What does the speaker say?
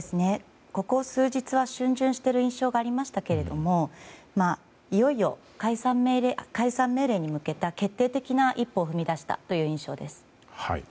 ここ数日は逡巡している印象がありましたけどいよいよ解散命令に向けた決定的な一歩を踏み出したという印象です。